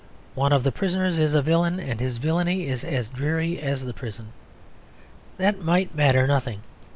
One of the prisoners is a villain, and his villainy is as dreary as the prison; that might matter nothing.